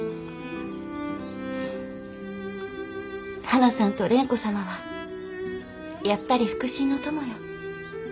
はなさんと蓮子様はやっぱり腹心の友よ。